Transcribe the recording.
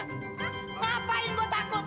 hah ngapain gue takut